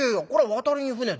『渡りに船』だ。